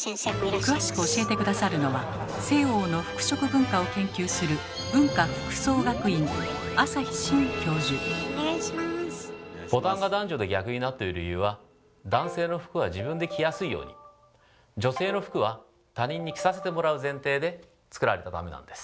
詳しく教えて下さるのは西欧の服飾文化を研究するボタンが男女で逆になってる理由は女性の服は他人に着させてもらう前提で作られたためなんです。